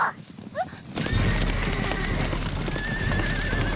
えっ？